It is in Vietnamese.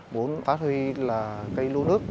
muốn phát huy là cây lúa nước